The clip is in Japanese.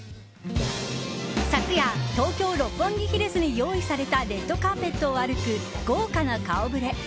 昨夜、東京・六本木ヒルズに用意されたレッドカーペットを歩く豪華な顔ぶれ。